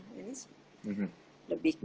ini lebih ke